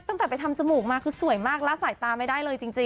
ตั้งแต่ไปทำจมูกมาคือสวยมากละสายตาไม่ได้เลยจริง